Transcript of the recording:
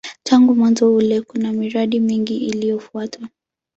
Tangu mwanzo ule kuna miradi mingi iliyofuata.